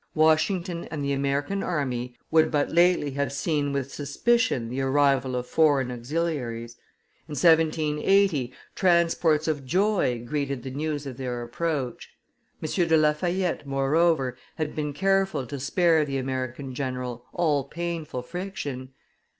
Washington and the American army would but lately have seen with suspicion the arrival of foreign auxiliaries; in 1780, transports of joy greeted the news of their approach. M. de La Fayette, moreover, had been careful to spare the American general all painful friction.